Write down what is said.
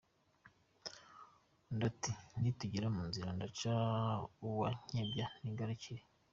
Undi ati "Nitugera mu nzira ndaca uwa Nkebya nigarukire.